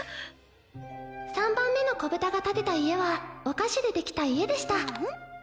３番目の子ぶたが建てた家はお菓子で出来た家でした。